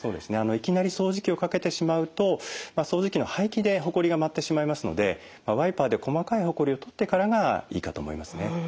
いきなり掃除機をかけてしまうと掃除機の排気でホコリが舞ってしまいますのでワイパーで細かいホコリを取ってからがいいかと思いますね。